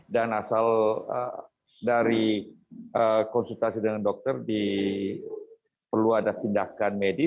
asal dari konsultasi dengan dokter perlu ada tindakan medis